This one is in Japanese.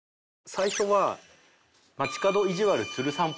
最初は。